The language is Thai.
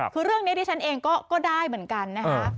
คือเรื่องนี้ดิฉันเองก็ได้เหมือนกันนะคะ